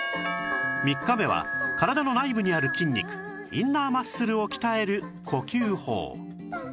３日目は体の内部にある筋肉インナーマッスルを鍛える呼吸法